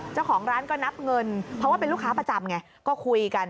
เจ้าของร้านก็นับเงินเพราะว่าเป็นลูกค้าประจำไงก็คุยกัน